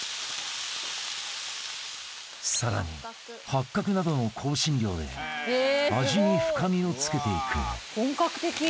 更に、八角などの香辛料で味に深みをつけていく曽根：本格的。